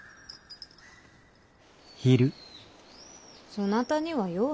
そなたにはよう